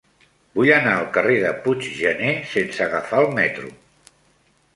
Vull anar al carrer de Puiggener sense agafar el metro.